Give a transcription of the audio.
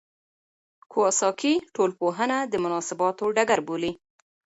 کواساکي ټولنپوهنه د مناسباتو ډګر بولي.